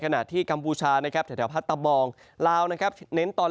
ที่กัมพูชานะครับแถวพัตตะบองลาวนะครับเน้นตอน